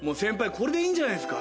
これでいいんじゃないですか？